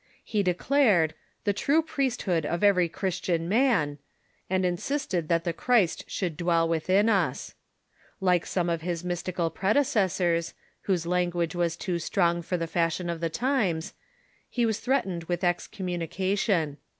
He declared "the true priesthood of every Christian man," and insisted that the Christ should dwell within us. Like some of his mystical predecessors, whose language was too strong for the fashion of the times, he Avas threatened with excommuni cation.